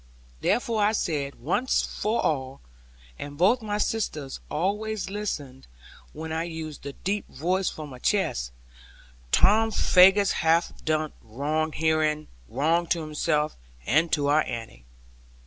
Therefore I said, once for all (and both my sisters always listened when I used the deep voice from my chest): 'Tom Faggus hath done wrong herein; wrong to himself, and to our Annie.